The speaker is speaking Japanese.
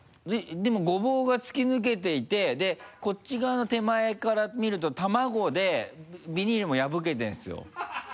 でもゴボウが突き抜けていてこっち側の手前側から見ると卵でビニールも破けてるんですよ。